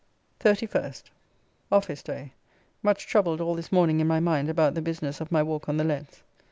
31st Office day. Much troubled all this morning in my mind about the business of my walk on the leads.